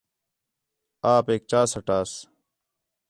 آپیک چا سٹاس